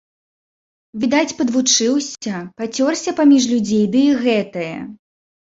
Відаць падвучыўся, пацёрся паміж людзей ды і гэтае!